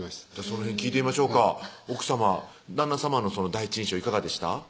その辺聞いてみましょうか奥さま旦那さまの第一印象いかがでした？